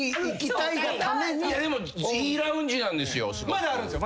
まだあるんですよ。